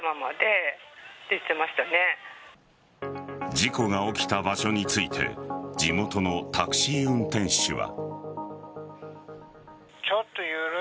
事故が起きた場所について地元のタクシー運転手は。